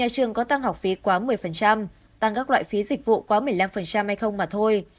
một mươi trường có tăng học phí quá một mươi tăng các loại phí dịch vụ quá một mươi năm hay không mà thôi